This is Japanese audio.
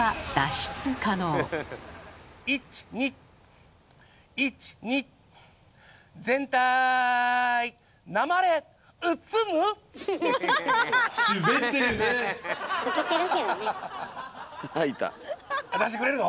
出してくれるの？